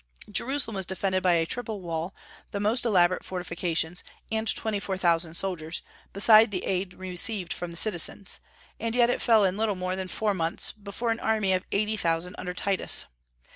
Jerusalem was defended by a triple wall, the most elaborate fortifications, and twenty four thousand soldiers, besides the aid received from the citizens; and yet it fell in little more than four months before an army of eighty thousand under Titus.